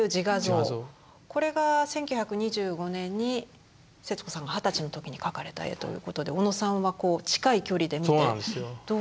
これが１９２５年に節子さんが二十歳の時に描かれた絵ということで小野さんは近い距離で見てどうでしたか？